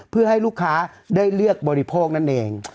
เพื่อให้ลูกค้าได้เลือกบริโภคนั่นเอง